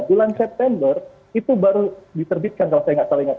bulan september itu baru diterbitkan kalau saya nggak salah ingat